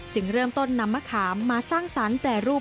เริ่มต้นนำมะขามมาสร้างสรรค์แปรรูป